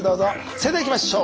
それではいきましょう。